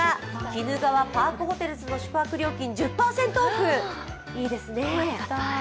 鬼怒川パークホテルズの宿泊料金１０％オフ、いいですね。